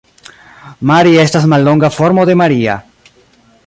Mari estas mallonga formo de Maria.